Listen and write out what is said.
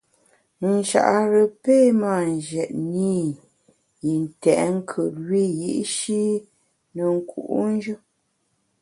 Nchare pe mâ njètne i yi ntèt nkùt wiyi’shi ne nku’njù.